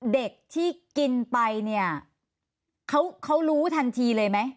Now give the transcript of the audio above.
เด็กที่กินไปเนี่ยเขารู้ทันทีเลยไหม